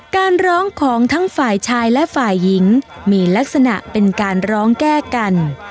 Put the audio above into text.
การร้องของทั้งฝ่ายชายและฝ่ายหญิงมีลักษณะเป็นการร้องแก้กัน